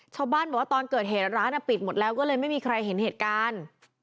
ชาวบ้านบอกว่าตอนเกิดเหตุร้านปิดหมดแล้วก็เลยไม่มีใครเห็นเหตุการณ์